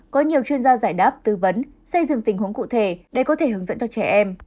có nhiều chuyên gia giải đáp tư vấn xây dựng tình huống cụ thể để có thể hướng dẫn cho trẻ em